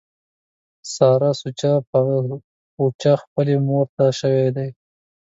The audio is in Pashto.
ساره سوچه پوچه خپلې مورته شوې ده.